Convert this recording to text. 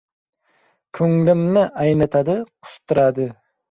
Ko‘nglimni aynitadi, qustiradi.